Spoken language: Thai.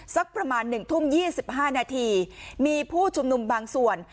สักประมาณหนึ่งทุ่มยี่สิบห้านาทีมีผู้ชุมนุมบางส่วน